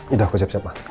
ini aku siap siap pak